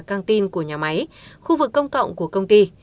căng tin của nhà máy khu vực công cộng của công ty